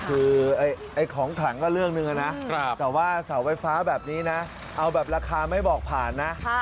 คือไอ้ของขลังก็เรื่องหนึ่งนะแต่ว่าเสาไฟฟ้าแบบนี้นะเอาแบบราคาไม่บอกผ่านนะ